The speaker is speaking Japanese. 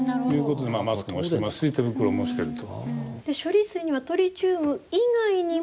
マスクもしてますし手袋もしてると。